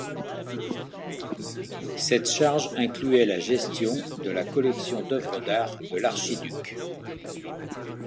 Cette charge incluait la gestion de la collection d’œuvres d’art de l'archiduc.